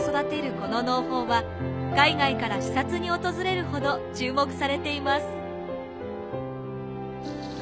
この農法は海外から視察に訪れるほど注目されています。